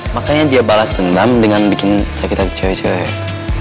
makanya dia balas dendam dengan bikin sakit hati